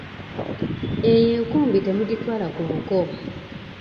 Eyo enkumbi temugitwala ku buko.